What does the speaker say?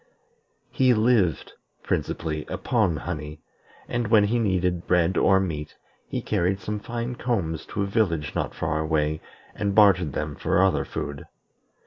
He lived principally upon honey; and when he needed bread or meat, he carried some fine combs to a village not far away and bartered them for other food.